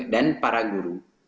dan para guru